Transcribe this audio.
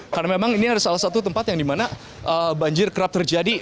karena memang ini adalah salah satu tempat yang dimana banjir kerap terjadi